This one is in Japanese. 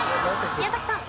宮崎さん。